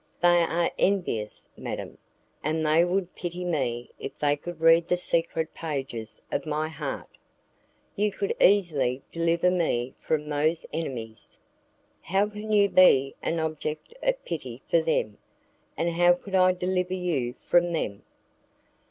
"They are envious, madam, and they would pity me if they could read the secret pages of my heart. You could easily deliver me from those enemies." "How can you be an object of pity for them, and how could I deliver you from them?"